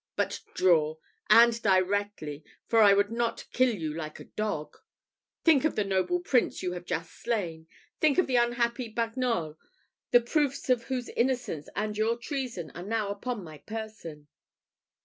But draw, and directly, for I would not kill you like a dog. Think of the noble Prince you have just slain think of the unhappy Bagnols, the proofs of whose innocence and your treason are now upon my person."